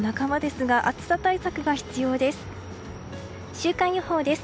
週間予報です。